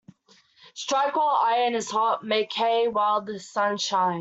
Strike while the iron is hot Make hay while the sun shines.